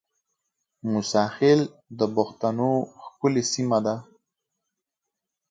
موساخېل د بښتنو ښکلې سیمه ده